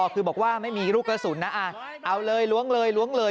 คือบอกว่าไม่มีลูกกระสุนนะเอาเลยล้วงเลยล้วงเลย